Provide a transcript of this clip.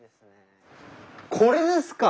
これですか？